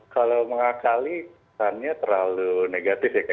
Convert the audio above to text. kalau mengakali kesannya terlalu negatif ya